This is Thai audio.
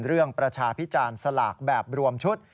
ประชาพิจารณ์สลากแบบรวมชุด